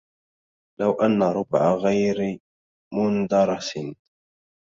لو أن ربع غير مندرس